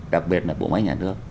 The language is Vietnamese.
đặc biệt là bộ máy nhà nước